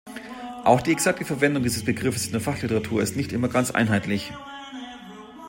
Auch die exakte Verwendung dieses Begriffes in der Fachliteratur ist nicht immer ganz einheitlich.